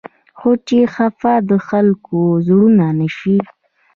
خو چې خفه د خلقو زړونه نه شي